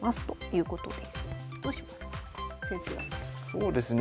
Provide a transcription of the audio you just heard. そうですね